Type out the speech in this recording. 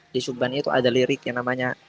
di suban itu ada lirik yang namanya